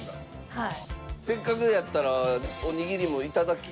はい。